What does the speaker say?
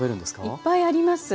いっぱいあります。